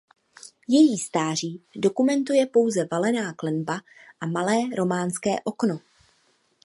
Její stáří dokumentuje pouze valená klenba a malé románské okno.